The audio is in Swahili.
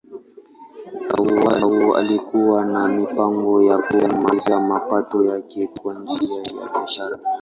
Mtawala huyo alikuwa na mipango ya kuongeza mapato yake kwa njia ya biashara.